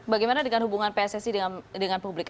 bagaimana dengan hubungan pssi dengan publik